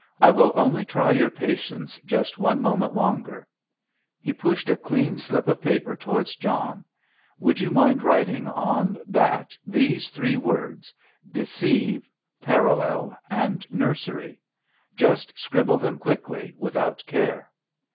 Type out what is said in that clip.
I will only try your patience just one moment longer." He pushed a clean slip of paper towards John. "Would you mind writing on that these three words, 'Deceive,' 'parallel,' and 'nursery.' Just scribble them quickly, without care."